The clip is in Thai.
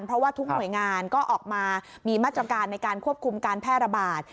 เพราะว่าทุกหน่วยงานก็ออกมามีมาตรการในการควบคุมการแพร่ระบาด